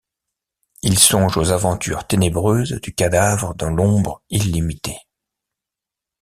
Il songe aux aventures ténébreuses du cadavre dans l’ombre illimitée.